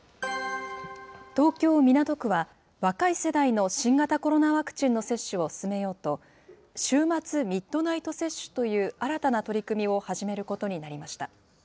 東京・港区は、若い世代の新型コロナワクチンの接種を進めようと、週末ミッドナイト接種という新たな取り組みを始めることになりました。